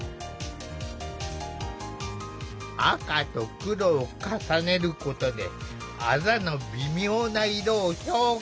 赤と黒を重ねることであざの微妙な色を表現。